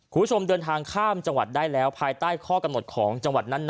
คุณผู้ชมเดินทางข้ามจังหวัดได้แล้วภายใต้ข้อกำหนดของจังหวัดนั้น